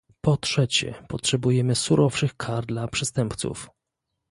Po trzecie, potrzebujemy surowszych kar dla przestępców